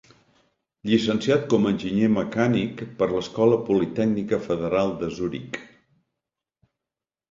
Llicenciat com enginyer mecànic per l'Escola Politècnica Federal de Zuric.